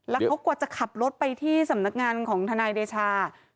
แล้วเขากว่าจะขับรถไปที่สำนักงานของทนายเดชา